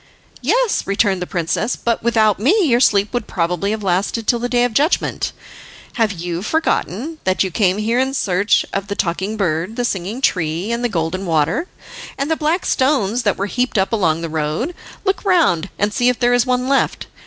"Yes," returned the princess, "but without me your sleep would probably have lasted till the day of judgment. Have you forgotten that you came here in search of the Talking Bird, the Singing Tree, and the Golden Water, and the black stones that were heaped up along the road? Look round and see if there is one left.